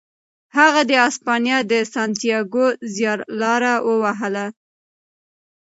هغه د اسپانیا د سانتیاګو زیارلاره ووهله.